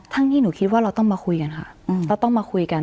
ที่หนูคิดว่าเราต้องมาคุยกันค่ะเราต้องมาคุยกัน